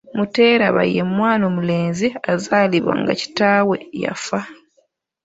Muteeraba ye mwana omulenzi azaalibwa nga kitaawe yafa.